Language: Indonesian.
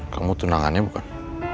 kamu tunangannya bukan